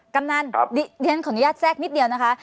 กำนั่นเดี๋ยวเนี้ยของยัดแสทกนิดเดียวนะคะ